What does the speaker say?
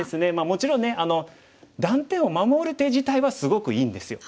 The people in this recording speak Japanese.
もちろんね断点を守る手自体はすごくいいんですよ。